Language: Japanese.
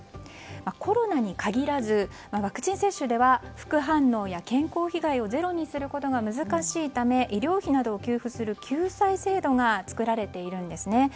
コロナに限らずワクチン接種では副反応や健康被害をゼロにすることが難しいため医療費などを給付する救済制度が作られているんですね。